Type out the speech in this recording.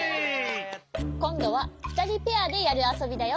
こんどはふたりペアでやるあそびだよ！